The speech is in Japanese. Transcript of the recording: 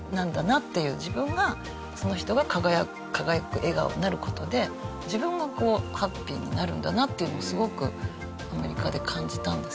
自分がその人が輝く笑顔になる事で自分がハッピーになるんだなっていうのをすごくアメリカで感じたんですけど。